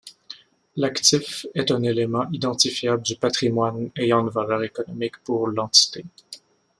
L'actif est un élément identifiable du patrimoine ayant une valeur économique pour l'entité.